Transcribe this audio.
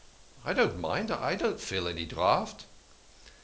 " I don't mind. I don't feel any draught."